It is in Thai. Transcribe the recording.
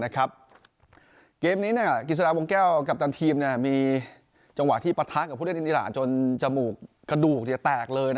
เกมนี้กิจสลาวงแก้วกัปตันทีมมีจังหวะที่ปะทะกับผู้เล่นอิราจนจมูกกระดูกแตกเลย